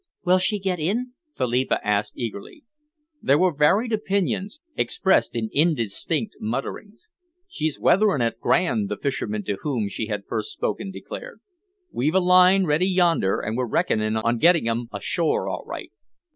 "Will she get in?" Philippa asked eagerly. There were varied opinions, expressed in indistinct mutterings. "She's weathering it grand," the fisherman to whom she had first spoken, declared. "We've a line ready yonder, and we're reckoning on getting 'em ashore all right.